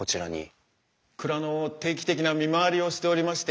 蔵の定期的な見回りをしておりまして。